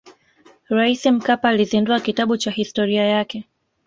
raisi mkapa alizindua kitabu cha historia yake